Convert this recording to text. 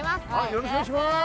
よろしくお願いします。